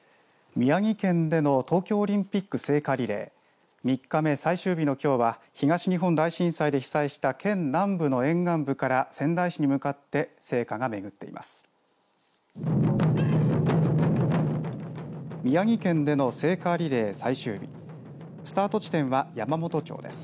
宮城県での東京オリンピック聖火リレー３日目、最終日のきょうは東日本大震災で被災した県南部の沿岸部から仙台市に向かって聖火が巡っています。